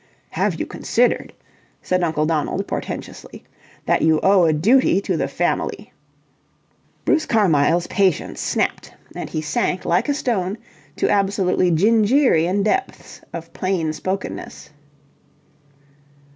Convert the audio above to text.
"Have you considered," said Uncle Donald, portentously, "that you owe a duty to the Family." Bruce Carmyle's patience snapped and he sank like a stone to absolutely Gingerian depths of plain spokenness.